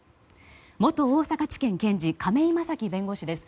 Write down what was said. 元大阪地検検事の亀井正貴弁護士です。